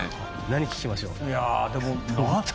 何を聞きましょう。